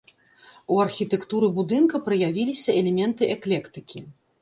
У архітэктуры будынка праявіліся элементы эклектыкі.